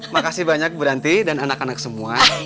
makasih banyak ibu ranti dan anak anak semua